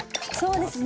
そうですね。